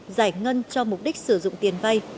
giải ngân cho mục đích sử dụng tiền vay